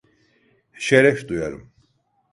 Şeref duyarım.